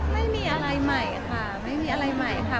ไม่มีอะไรใหม่ค่ะไม่มีอะไรใหม่ค่ะ